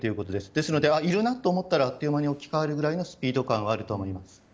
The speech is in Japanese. ですので、あっという間に置き換わるくらいのスピード感があると思います。